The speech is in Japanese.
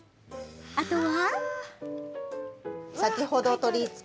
あとは。